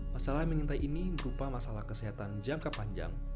masalah yang mengintai ini berupa masalah kesehatan jangka panjang